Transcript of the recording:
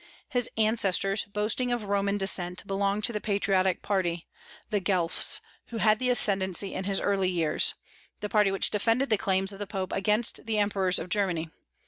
His ancestors, boasting of Roman descent, belonged to the patriotic party, the Guelphs, who had the ascendency in his early years, that party which defended the claims of the Popes against the Emperors of Germany.